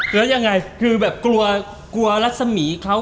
แล้วยังไงกลัวรัศมีเขา